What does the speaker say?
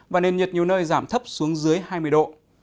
và nền nhiệt nhiều nơi giảm thấp xuống dưới hai mươi độ